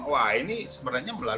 wah ini sebenarnya